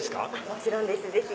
もちろんですぜひ。